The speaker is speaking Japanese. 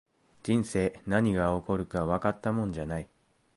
人生、何が起こるかわかったもんじゃない